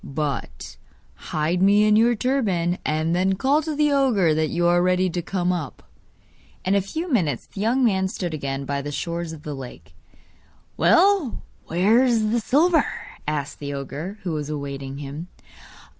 'But hide me in your turban, and then call to the ogre that you are ready to come up.' In a few minutes the young man stood again by the shores of the lake. 'Well, where is the silver?' asked the ogre, who was awaiting him.